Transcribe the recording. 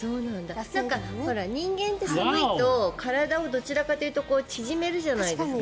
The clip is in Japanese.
人間って寒いと体をどちらかというと縮めるじゃないですか。